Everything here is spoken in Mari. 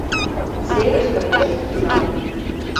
Серышке пеш шупшам.